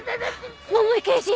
桃井刑事！？